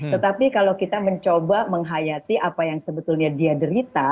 tetapi kalau kita mencoba menghayati apa yang sebetulnya dia derita